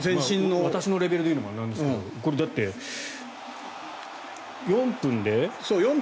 私のレベルで言うのもなんですがこれ、だって４分で。